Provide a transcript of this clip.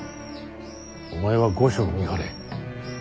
お前は御所を見張れ。